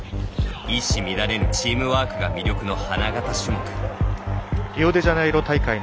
一糸乱れぬチームワークが魅力の花形種目。